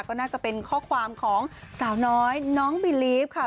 ก็น่าจะเป็นข้อความของสาวน้อยน้องบิลีฟค่ะ